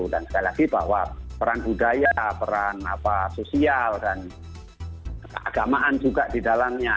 dan sekali lagi bahwa peran budaya peran sosial dan agamaan juga didalamnya